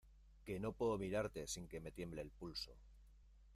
que no puedo mirarte sin que me tiemble el pulso.